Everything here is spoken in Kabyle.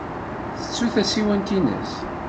Tettu tasiwant-nnes.